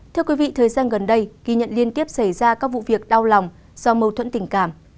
thưa quý vị thời gian gần đây ghi nhận liên tiếp xảy ra các vụ việc đau lòng do mâu thuẫn tình cảm